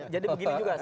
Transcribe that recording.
jadi begini juga